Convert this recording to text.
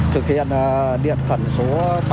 thực hiện điện khẩn số ba trăm hai mươi ba